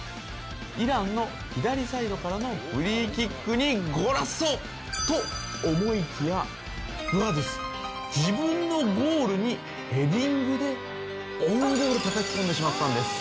イランの左サイドからのフリーキックにゴラッソと、思いきやブアドゥズ自分のゴールにヘディングでオウンゴールたたき込んでしまったのです。